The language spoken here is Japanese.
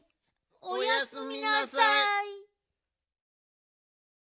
おやすみなさい。